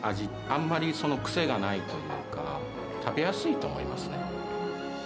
あんまり癖がないというか、食べやすいと思いますね。